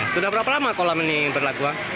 sudah berapa lama kolam ini berlaku